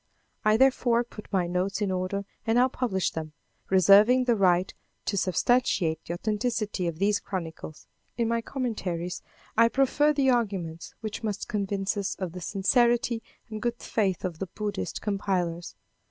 I therefore put my notes in order and now publish them, reserving the right to substantiate the authenticity of these chronicles. In my commentaries I proffer the arguments which must convince us of the sincerity and good faith of the Buddhist compilers.